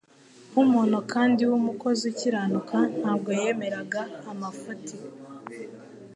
Nk'umuntu kandi w'umukozi ukiranuka ntabwo yemeraga amafuti